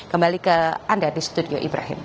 kembali ke anda di studio ibrahim